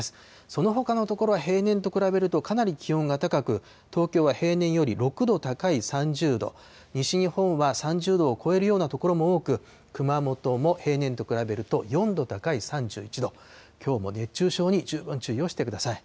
そのほかの所は、平年と比べるとかなり気温が高く、東京は平年より６度高い３０度、西日本は３０度を超えるような所も多く、熊本も平年と比べると４度高い３１度、きょうも熱中症に十分注意をしてください。